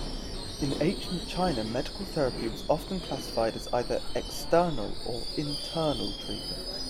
In ancient China, medical therapy was often classified as either "external" or "internal" treatment.